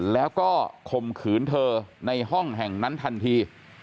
แล้วก็ข่มขืนเธอในห้องแห่งนั้นทันที